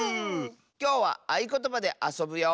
きょうはあいことばであそぶよ！